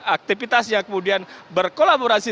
aktivitas yang kemudian berkolaborasi